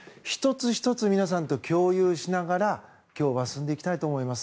つ１つ皆さんと共有しながら今日は進んでいきたいと思います。